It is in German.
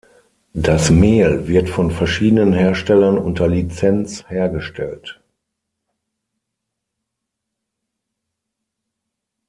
Das Mehl wird von verschiedenen Herstellern unter Lizenz hergestellt.